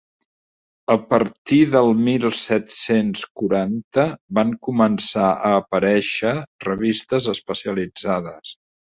A partir del mil set-cents quaranta van començar a aparèixer revistes especialitzades.